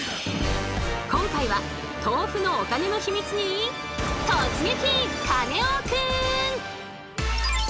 今回は豆腐のお金のヒミツに突撃！